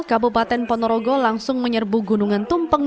kabupaten ponorogo langsung menyerbu gunungan tumpeng